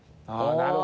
なるほど。